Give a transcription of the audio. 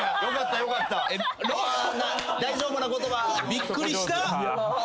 びっくりした。